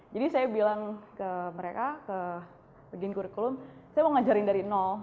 jadi saya bilang ke mereka ke begini kurikulum saya mau ngajarin dari nol